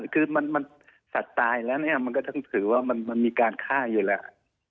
คือมันสัตว์ตายแล้วเนี่ยมันก็ต้องถือว่ามันมีการฆ่าอยู่แล้ว